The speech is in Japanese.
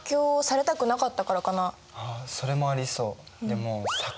それもありそう。